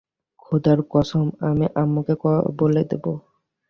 খোদার কসম, আমি আম্মুকে বলে দেব।